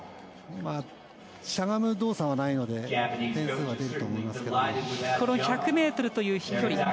しゃがむ動作はないのでこの１００ｍという飛距離